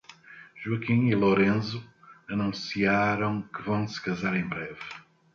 Joaquim e Lorenzo anunciaram que vão se casar em breve